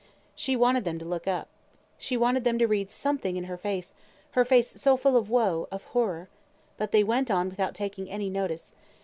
She wanted them to look up. She wanted them to read something in her face her face so full of woe, of horror. But they went on without taking any notice.